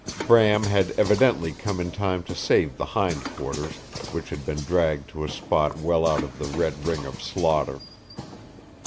Bram had evidently come in time to save the hind quarters, which had been dragged to a spot well out of the red ring of slaughter.